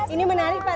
ini menarik pak